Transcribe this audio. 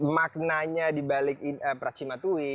maknanya di balik pracima twin